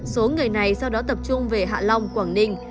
số người này sau đó tập trung về hạ long quảng ninh